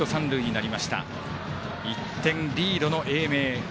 １点リードの英明。